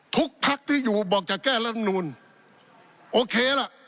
พักที่อยู่บอกจะแก้รัฐมนูลโอเคล่ะ